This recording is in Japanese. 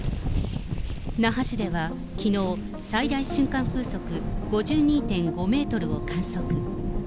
那覇市ではきのう、最大瞬間風速５２．５メートルを観測。